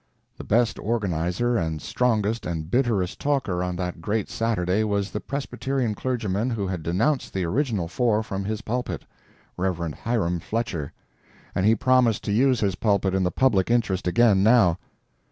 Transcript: The best organizer and strongest and bitterest talker on that great Saturday was the Presbyterian clergyman who had denounced the original four from his pulpit—Rev. Hiram Fletcher—and he promised to use his pulpit in the public interest again now.